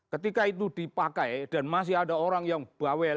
ketika itu dipakai dan masih ada orang yang bawel